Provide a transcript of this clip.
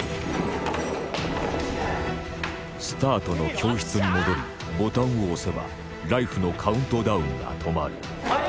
スタートの教室に戻りボタンを押せばライフのカウントダウンが止まる早っ！